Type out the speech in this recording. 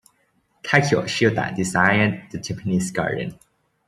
Takeo Shiota designed the Japanese Garden.